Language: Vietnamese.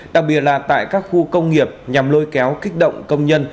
đặc biệt là tại các khu công nghiệp nhằm lôi kéo kích động công nhân